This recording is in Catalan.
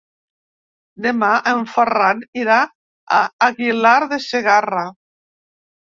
Demà en Ferran irà a Aguilar de Segarra.